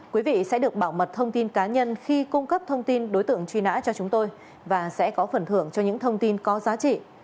quý vị sẽ được bảo mật thông tin cá nhân khi cung cấp thông tin đối tượng truy nã cho chúng tôi và sẽ có phần thưởng cho những thông tin có giá trị